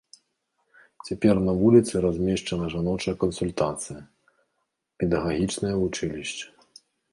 Цяпер на вуліцы размешчана жаночая кансультацыя, педагагічнае вучылішча.